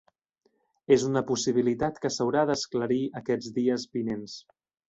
És una possibilitat que s’haurà d’esclarir aquests dies vinents.